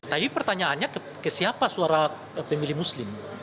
tapi pertanyaannya ke siapa suara pemilih muslim